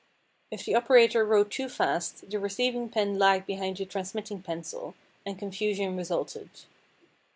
If the operator wrote too fast the receiving pen lagged behind the transmitting pencil, and confusion resulted.